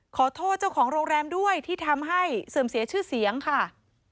ขอโทษเจ้าของโรงแรมด้วยที่ทำให้เสื่อมเสียชื่อเสียงค่ะ